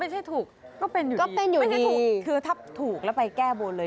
ไม่ใช่ถูกก็เป็นอยู่ดีก็เป็นอยู่ดีไม่ใช่ถูกคือถ้าถูกแล้วไปแก้บนเลย